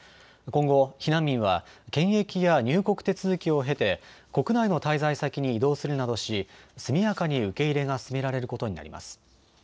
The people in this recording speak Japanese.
今後、避難民は検疫や入国手続きを経て国内の滞在先に移動するなどし速やかに受け入れが進められることになります。